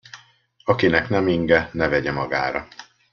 Akinek nem inge, ne vegye magára.